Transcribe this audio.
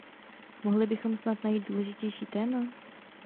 Mohli bychom snad najít důležitější téma?